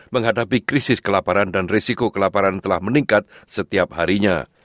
menghadapi krisis kelaparan dan risiko kelaparan telah meningkat setiap harinya